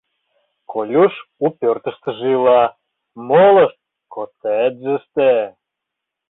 Колюш у пӧртыштыжӧ ила, молышт — коттеджыште.